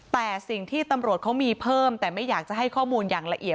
แต่สิ่งที่ตำรวจเขามีเพิ่มแต่ไม่อยากจะให้ข้อมูลอย่างละเอียด